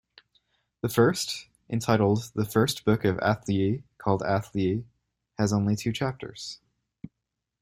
The first, entitled "The First Book of Athlyi Called Athlyi", has only two chapters.